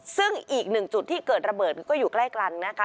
ซึ่งอีกหนึ่งจุดที่เกิดระเบิดก็อยู่ใกล้กันนะคะ